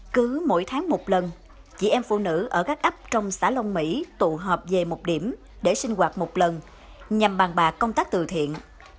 cứ mỗi tháng một lần chị em phụ nữ ở các ấp trong xã long mỹ tụ họp về một điểm để sinh hoạt một lần nhằm bàn bạc công tác từ thiện